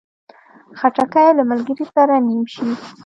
خټکی له ملګري سره نیم شي.